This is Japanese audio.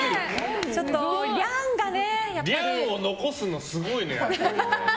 リャンを残すのすごいね。